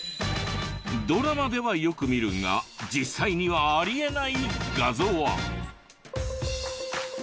ドラマではよく見るが実際にはありえない画像は。